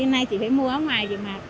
nay chỉ phải mua áo ngoài thì mặc